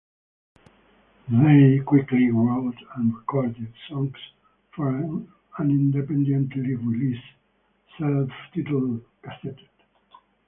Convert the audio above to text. They quickly wrote and recorded songs for an independently released, self-titled cassette.